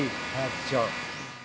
mendapat air dari sumber air